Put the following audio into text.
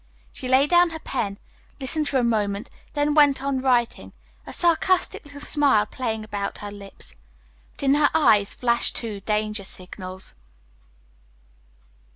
She lay down her pen, listened for a moment, then went on writing, a sarcastic little smile playing about her lips. But in her eyes flashed two danger signals.